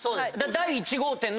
第１号店の。